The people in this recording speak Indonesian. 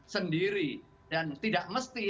sendiri dan tidak mesti